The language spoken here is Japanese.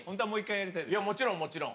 もちろんもちろん。